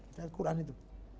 itu al quran itu